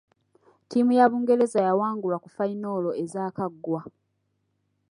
Ttiimu ya Bungereza yawangulwa ku fayinolo ezaakaggwa.